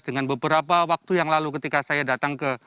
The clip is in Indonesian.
dengan beberapa waktu yang lalu ketika saya datang ke